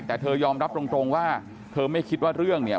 แต่เธอยอมรับตรงว่าเธอไม่คิดว่าเรื่องเนี่ย